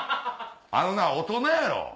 あのな大人やろ？